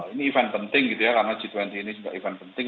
ini event penting gitu ya karena g dua puluh ini juga event penting